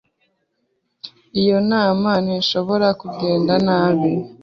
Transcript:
Iyo nama ntishobora kugenda nabi.